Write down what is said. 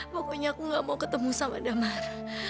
pokoknya aku gak mau ketemu sama damar